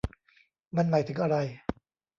มันหมายถึงอะไร ?